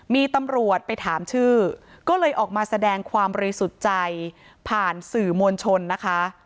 มีตำรวจไปถามชื่อก็เลยออกมาแสดงความบริสุทธิ์ใจผ่านสื่อมวลชนนะคะ